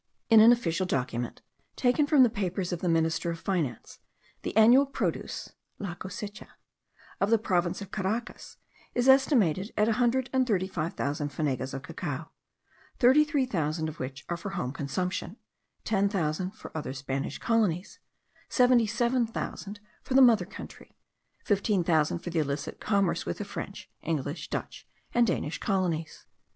In an official document, taken from the papers of the minister of finance, the annual produce (la cosecha) of the province of Caracas is estimated at a hundred and thirty five thousand fanegas of cacao; thirty three thousand of which are for home consumption, ten thousand for other Spanish colonies, seventy seven thousand for the mother country, fifteen thousand for the illicit commerce with the French, English, Dutch, and Danish colonies.